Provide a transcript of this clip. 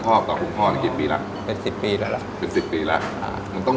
กลับมาสืบสาวเราเส้นที่ย่านบังคุณนอนเก็นต่อค่ะจะอร่อยเด็ดแค่ไหนให้เฮียเขาไปพิสูจน์กัน